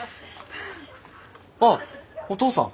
あっお父さん。